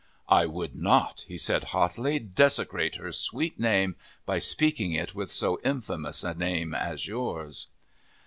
"I would not," he said hotly, "desecrate her sweet name by speaking it with so infamous a name as yours."